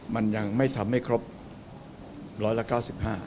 มันยังไม่ทำให้ครบร้อยละ๙๕